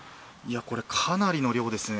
これ、かなりの量ですね。